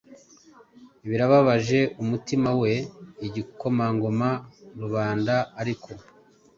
Birababaje umutima we igikomangoma-rubanda ariko